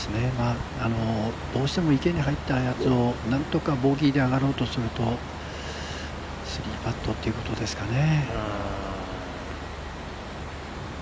どうしても池に入ったやつをなんとかボギーで上がろうとすると３パットということですかね。